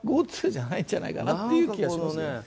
ＧｏＴｏじゃないんじゃないかなという気がします。